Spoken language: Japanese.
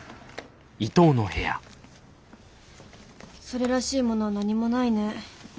それらしいものは何もないね。